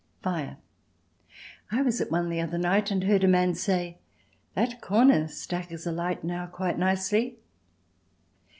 Fire I was at one the other night and heard a man say: "That corner stack is alight now quite nicely."